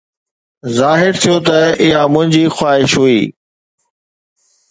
ظاهر ٿيو ته اها منهنجي خواهش هئي.